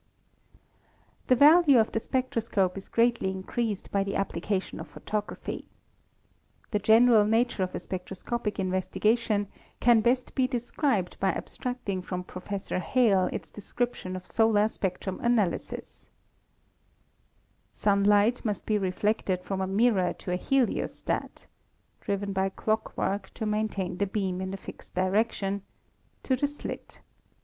The value of the spectroscope is greatly increased by the application of photography. The general nature of a spectroscopic investigation can best be indicated by ab stracting from Professor Hale his description of solar spectrum analysis: "Sunlight must be reflected from a mirror to a heliostat (driven by clockwork, to maintain the beam in a fixed direction) to the slit.